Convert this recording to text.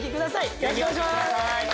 よろしくお願いします！